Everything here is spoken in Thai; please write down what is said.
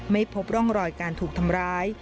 ไม่พบร่องรอยการถูกทำร้าย